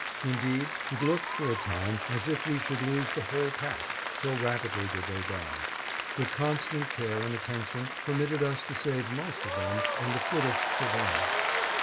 Indeed, it looked for a time as if we should lose the whole pack, so rapidly did they die, but constant care and attention permitted us to save most of them, and the fittest survived.